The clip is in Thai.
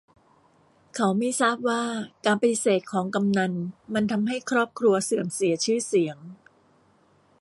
เขาไม่ทราบว่าการปฏิเสธของกำนัลมันทำให้ครอบครัวเสื่อมเสียชื่อเสียง